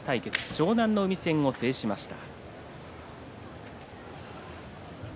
湘南乃海戦を制しました。